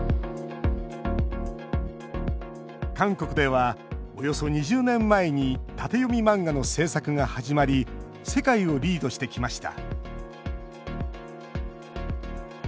韓国では、およそ２０年前に縦読み漫画の制作が始まり世界をリードしてきました